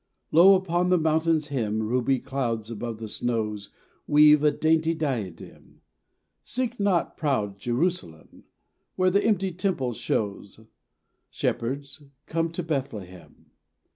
Lo, upon the mountain's hem Ruby clouds above the snows Weave a dainty diadem. Seek not proud Jerusalem, Where the empty temple shows; Shepherds, come to Bethlehem.